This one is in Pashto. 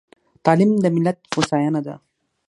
تعليم د ملت هوساينه ده.